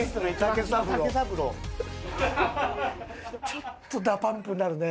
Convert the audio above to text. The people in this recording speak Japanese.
ちょっとＤＡＰＵＭＰになるね。